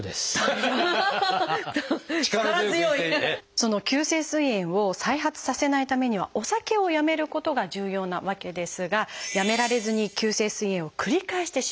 その急性すい炎を再発させないためにはお酒をやめることが重要なわけですがやめられずに急性すい炎を繰り返してしまうケースもあります。